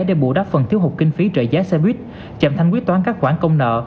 để bù đắp phần thiếu hụt kinh phí trợ giá xe buýt chậm thanh quyết toán các khoản công nợ